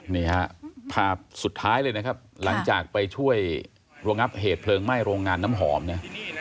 นี่ฮะภาพสุดท้ายเลยนะครับหลังจากไปช่วยระงับเหตุเพลิงไหม้โรงงานน้ำหอมเนี่ย